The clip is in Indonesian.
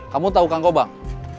kamu tau kang kobang